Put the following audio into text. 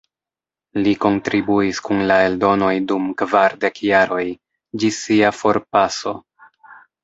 Li kontribuis kun la eldonoj dum kvardek jaroj, ĝis sia forpaso.